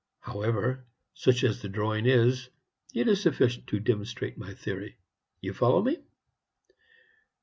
However, such as the drawing is, it is sufficient to demonstrate my theory. Do you follow me?"